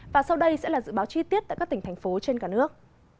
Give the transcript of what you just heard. và sau đây sẽ là dự báo chi tiết tại các tỉnh thành phố trên cả nước